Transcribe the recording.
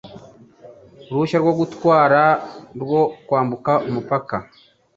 uruhushya rwo gutwara rwo kwambuka umupaka.